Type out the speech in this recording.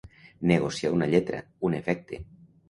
Negociar una lletra, un efecte.